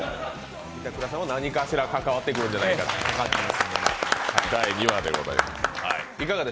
板倉さんは何かしら関わってくるのではないかと、第２話でです。